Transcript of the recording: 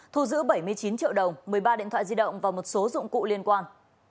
thu giữ bảy mươi chín triệu đồng một mươi ba điện thoại di động và một số dụng cụ liên quan